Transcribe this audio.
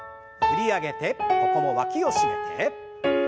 振り上げてここもわきを締めて。